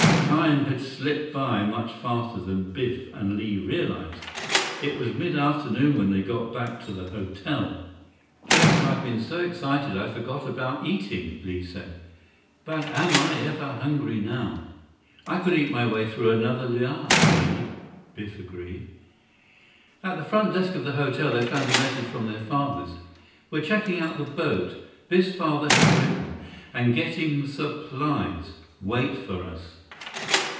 Time had slipped by much faster than Biff and Li realized. It was midaftenoon when they got back to the hotel. "Guess I've been so excited I forgot about eating," Li said, "but am I ever hungry now!" "I could eat my way through another luau, Li," Biff agreed. At the front desk of the hotel, they found a message from their fathers. "We're checking out the boat," Biff's father had written, "and getting supplies. Wait for us."